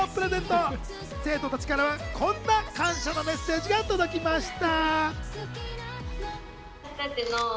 生徒たちからはこんな感謝のメッセージが届きました。